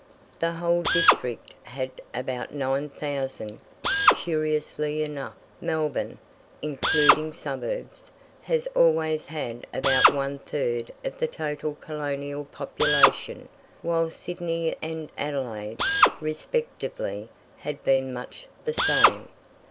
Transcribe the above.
The whole District had about nine thousand. Curiously enough, Melbourne (including suburbs) has always had about one third of the total colonial population, while Sydney and Adelaide respectively have been much the same.